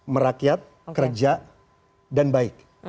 merakyat kerja dan baik